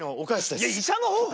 いや医者の方か！